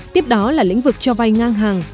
tiếp đó là lĩnh vực cho vay ngang hàng